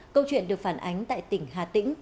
câu chuyện được phản ánh tại tỉnh hà tĩnh